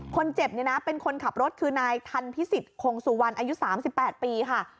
คนเจ็บเนี่ยนะเป็นคนขับรถคือนายทันพิสิทธิคงสุวรรณอายุ๓๘ปีค่ะ